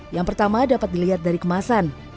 yang pertama dapat dilihat dari kemasan